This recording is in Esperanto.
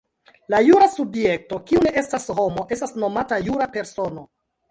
La jura subjekto, kiu ne estas homo, estas nomata jura persono.